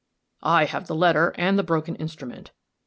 I have the letter and the broken instrument.